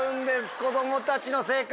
子供たちの正解。